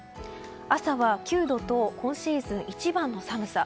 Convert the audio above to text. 朝は９度と今シーズン一番の寒さ。